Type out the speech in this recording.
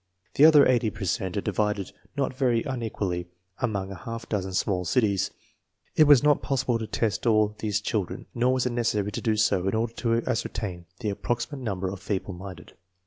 The other eighty per cent are divided not very unequally among a half dozen small cities. It was not possible to test all these chil dren, nor was it necessary to do so in order to ascer tain the approximate number of feeble minded.